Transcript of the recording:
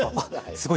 すごい。